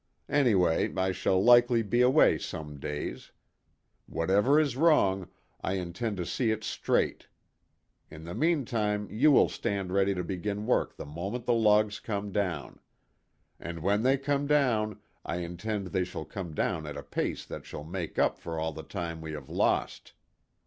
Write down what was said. Anyway I shall likely be away some days. Whatever is wrong, I intend to see it straight. In the meantime you will stand ready to begin work the moment the logs come down. And when they come down I intend they shall come down at a pace that shall make up for all the time we have lost.